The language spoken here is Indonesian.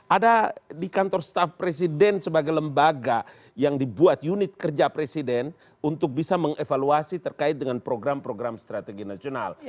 ada di kantor staff presiden sebagai lembaga yang dibuat unit kerja presiden untuk bisa mengevaluasi terkait dengan program program strategi nasional